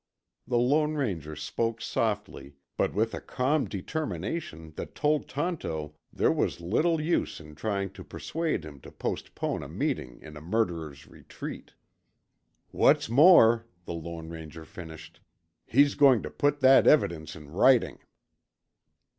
The Lone Ranger spoke softly, but with a calm determination that told Tonto there was little use in trying to persuade him to postpone a meeting in a murderers' retreat. "What's more," the Lone Ranger finished, "he's going to put that evidence in writing."